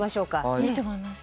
いいと思います。